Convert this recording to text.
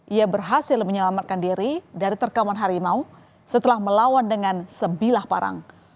ia berhasil menyelamatkan diri dari terkaman harimau setelah melawan dengan sebilah parang